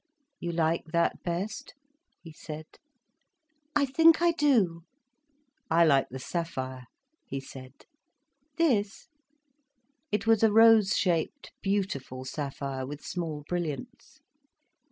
"You like that best?" he said. "I think I do." "I like the sapphire," he said. "This?" It was a rose shaped, beautiful sapphire, with small brilliants.